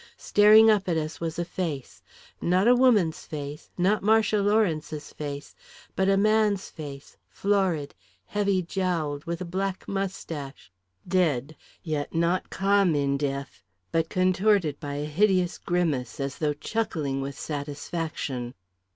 Staring up at us was a face not a woman's face not Marcia Lawrence's face but a man's face, florid, heavy jowled, with a black moustache; dead, yet not calm in death, but contorted by a hideous grimace, as though chuckling with satisfaction.